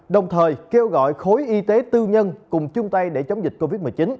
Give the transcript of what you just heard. đồng thời kêu gọi khối y tế tư nhân cùng chung tay để chống dịch covid một mươi chín